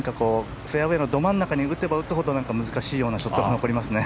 フェアウェーのど真ん中に打てば打つほど難しいようなショットが残りますね。